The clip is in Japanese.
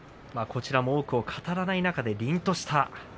こちらも多くを語らない中で、りんとした。